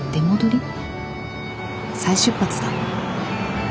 再出発だ。